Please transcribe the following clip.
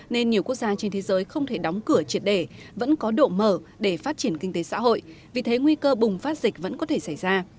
nên nhiều quốc gia trên thế giới không thể đóng cửa triệt để vẫn có độ mở để phát triển kinh tế xã hội vì thế nguy cơ bùng phát dịch vẫn có thể xảy ra